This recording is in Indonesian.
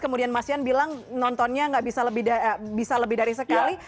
kemudian mas yan bilang nontonnya nggak bisa lebih dari sekali